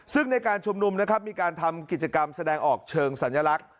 ซึ่งในการชุมนุมนะครับมีการทำกิจกรรมแสดงออกเชิงสัญลักษณ